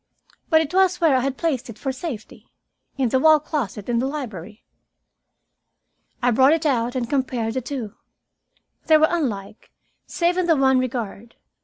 But it was where I had placed it for safety, in the wall closet in the library. I brought it out and compared the two. They were unlike, save in the one regard.